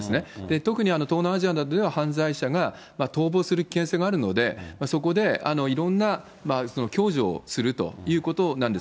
特に東南アジアなどでは、犯罪者が逃亡する危険性があるので、そこでいろんな共助をするということなんです。